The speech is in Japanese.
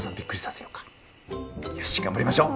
よし頑張りましょう！